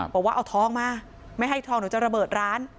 บอกว่าเอาทองมาไม่ให้ทองหนูจะระเบิดร้าน